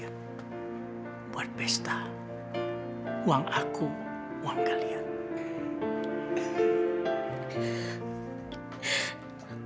kamu tetap mendapatkan apa yang menjadi hak kamu